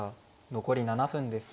残り７分です。